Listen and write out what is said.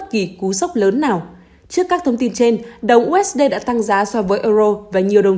kỳ cú sốc lớn nào trước các thông tin trên đầu usd đã tăng giá so với euro và nhiều đồng